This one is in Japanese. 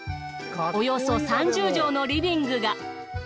およそ３０畳のリビングが。